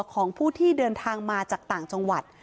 ของผู้ที่เดินทางมาจากต่างจังหวัด